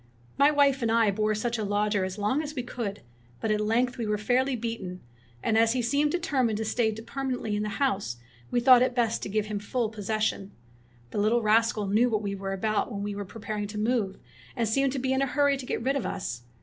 '' My wife and I bore such a lodger as long as we could, but at length we were fairly beaten; and as he seemed determined to stay permanently in the house we thought it best to give him full possession. The little rascal knew what we were about when we were pre paring to move, and seemed to be in a hurry to get rid of us.